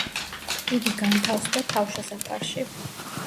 იგი განთავსდა თავშესაფარში.